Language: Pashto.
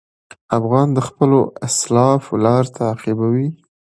افغان د خپلو اسلافو لار تعقیبوي.